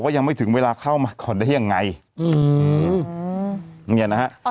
ยังไม่ถึงเวลาเข้ามาก่อนได้ยังไงอืมเนี่ยนะฮะ